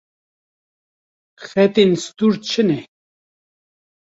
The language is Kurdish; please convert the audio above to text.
Xetên stûr çi ne?